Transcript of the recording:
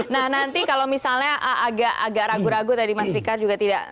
nah nanti kalau misalnya agak ragu ragu tadi mas fikar juga tidak